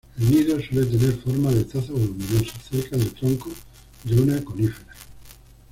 El nido suele tener forma de taza voluminosa, cerca del tronco de una conífera.